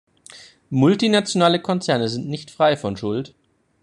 Multinationale Konzerne sind nicht frei von Schuld.